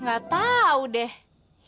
nggak tau deh